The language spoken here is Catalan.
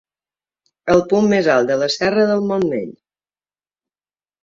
El punt més alt de la serra del Montmell.